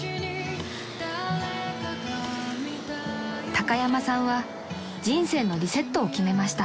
［高山さんは人生のリセットを決めました］